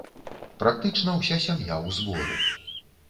Практычна ўся сям'я ў зборы.